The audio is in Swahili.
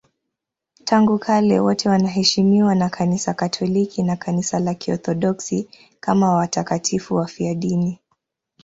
Tangu kale wote wanaheshimiwa na Kanisa Katoliki na Kanisa la Kiorthodoksi kama watakatifu wafiadini.